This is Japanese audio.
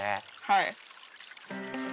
はい。